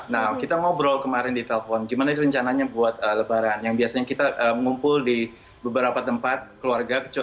nah kita ngobrol kemarin di telpon gimana itu rencananya buat lebaran yang biasanya kita ngumpul di beberapa tempat keluarga